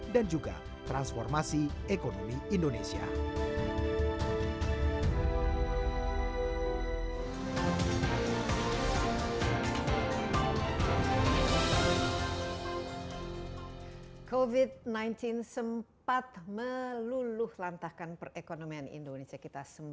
dan juga mengembangkan kemampuan ekonomi indonesia